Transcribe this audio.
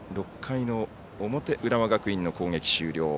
６回の表、浦和学院の攻撃終了。